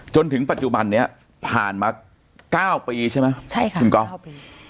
จนถึงปัจจุบันนี้ผ่านมา๙ปีใช่ไหมใช่ค่ะคุณก๊อฟ